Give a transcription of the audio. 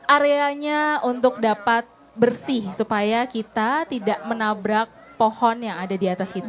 areanya untuk dapat bersih supaya kita tidak menabrak pohon yang ada di atas kita